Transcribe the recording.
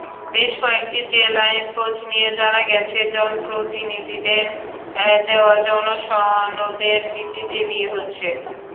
বেশ কয়েকটি জেলায় খোঁজ নিয়ে জানা গেছে, জনপ্রতিনিধিদের দেওয়া জন্মসনদের ভিত্তিতে বিয়ে হচ্ছে।